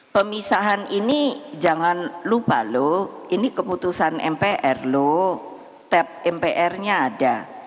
pemisahan ini jangan lupa loh ini keputusan mpr loh tap mpr nya ada